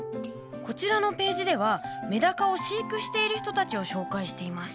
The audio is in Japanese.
こちらのページではメダカを飼育している人たちを紹介しています。